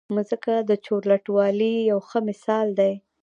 مځکه د چورلټوالي یو ښه مثال دی.